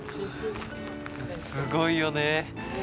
すごいよね。